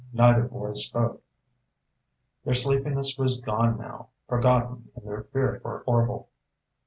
Neither boy spoke. Their sleepiness was gone now, forgotten in their fear for Orvil.